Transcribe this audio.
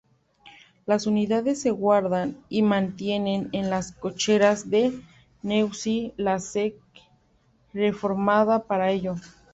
Las unidades se guardan y mantienen en las cocheras de Noisy-le-Sec, reformada para ello.